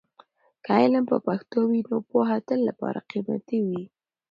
که علم په پښتو وي، نو پوهه تل لپاره قیمتي وي.